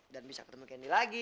dan bisa ketemu candy lagi